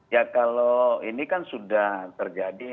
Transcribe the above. ya kalau ini kan sudah terjadi